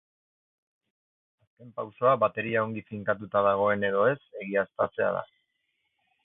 Azken pausoa bateria ongi finkatua dagoen edo ez egiaztatzea da.